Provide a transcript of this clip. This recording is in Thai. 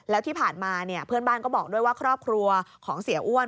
แล้วที่ผ่านมาเนี่ยเพื่อนบ้านก็บอกด้วยว่าครอบครัวของเสียอ้วน